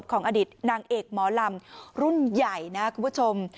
ของอดีตนางเอกหมอลำรุ่นใหญ่นะคุณผู้ชม